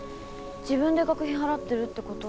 自分で学費払ってるってこと？